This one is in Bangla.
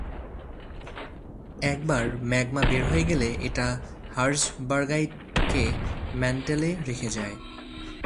একবার ম্যাগমা বের হয়ে গেলে এটা হার্জবার্গাইটকে ম্যান্টেলে রেখে যায়।